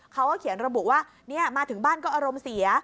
เขาก็เขียนระบุว่ามาถึงบ้านก็อารมณ์เสีย